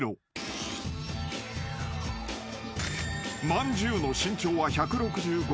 ［まんじゅうの身長は１６５ｃｍ］